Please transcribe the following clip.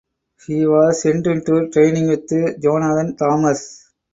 He was sent into training with Jonathan Thomas.